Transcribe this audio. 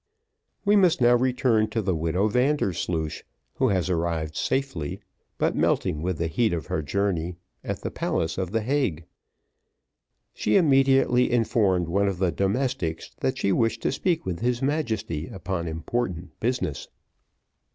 We must now return to the widow Vandersloosh, who has arrived safely, but melting with the heat of her journey, at the Palace of the Hague. She immediately informed one of the domestics that she wished to speak with his Majesty upon important business.